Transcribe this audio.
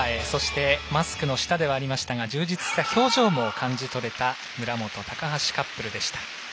そして、マスクの下ではありましたが充実した表情を感じられた村元、高橋カップルでした。